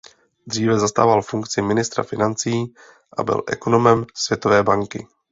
Dříve zastával funkci ministra financí a byl ekonomem Světové banky.